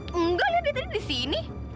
nunggu lihat dia tadi di sini